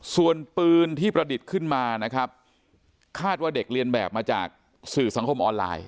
ส่วนปืนที่ประดิษฐ์ขึ้นมานะครับคาดว่าเด็กเรียนแบบมาจากสื่อสังคมออนไลน์